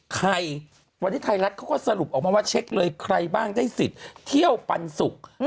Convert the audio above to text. ใครวันนี้ไทยรัฐเขาก็สรุปออกมาว่าเช็คเลยใครบ้างได้สิทธิ์เที่ยวปันสุก